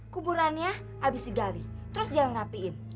kuburannya abis digali terus dia yang ngerapiin